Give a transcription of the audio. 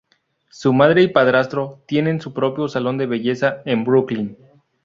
Su madre y su padrastro tienen su propio salón de belleza en Brooklyn.